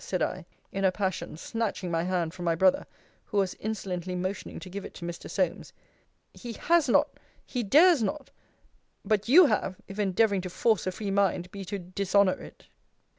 said I, in a passion, snatching my hand from my brother, who was insolently motioning to give it to Mr. Solmes; he has not! he dares not! But you have, if endeavouring to force a free mind be to dishonour it!